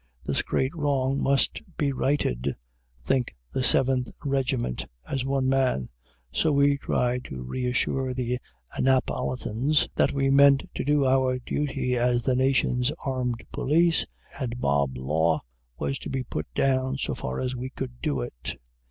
"This great wrong must be righted," think the Seventh Regiment, as one man. So we tried to reassure the Annapolitans that we meant to do our duty as the nation's armed police, and mob law was to be put down, so far as we could do it.